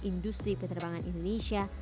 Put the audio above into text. industri keterbangan indonesia